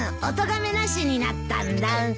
おとがめなしになったんだ。